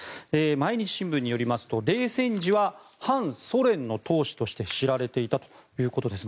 毎日新聞によりますと冷戦時は反ソ連の闘士として知られていたということです。